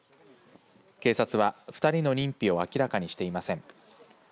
警察は２人の認否を明らかにしていません。